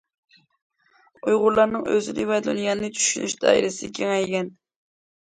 ئۇيغۇرلارنىڭ ئۆزىنى ۋە دۇنيانى چۈشىنىش دائىرىسى كېڭەيگەن.